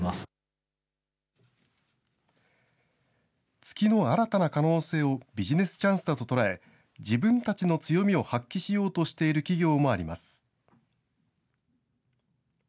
月の新たな可能性をビジネスチャンスだと捉え、自分たちの強みを発揮しようとしている企業もあります。